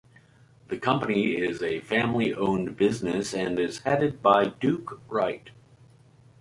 The company is a family-owned business and is headed by Duke Wright.